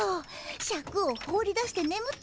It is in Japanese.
シャクを放り出してねむってさ。